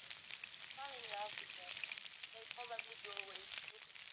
Ameandika sentensi